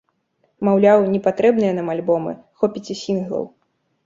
Маўляў, не патрэбныя нам альбомы, хопіць і сінглаў.